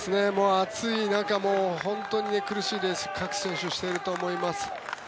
暑い中本当に苦しいレースを各選手していると思います。